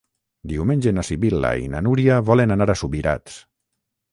Diumenge na Sibil·la i na Núria volen anar a Subirats.